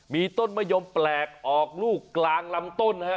มีต้นมะยมแปลกออกลูกกลางลำต้นฮะ